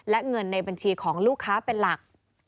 และเงินในบัญชีของลูกค้าเป็นหลัก